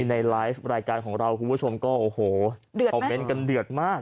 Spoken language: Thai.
ในไลฟ์รายการของเราคุณผู้ชมก็โอ้โหคอมเมนต์กันเดือดมาก